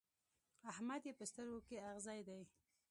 احمد يې په سترګو کې اغزی دی.